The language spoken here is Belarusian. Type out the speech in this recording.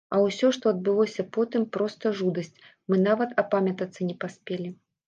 А ўсё, што адбылося потым, проста жудасць, мы нават апамятацца не паспелі.